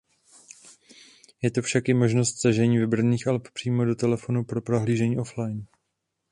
Je tu však i možnost stažení vybraných alb přímo do telefonu pro prohlížení offline.